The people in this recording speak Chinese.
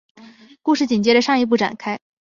故事紧接着上一部展开。